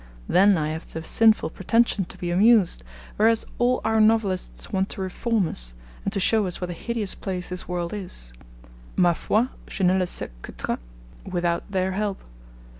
Then I have the sinful pretension to be amused, whereas all our novelists want to reform us, and to show us what a hideous place this world is: Ma foi, je ne le sais que trap, without their help.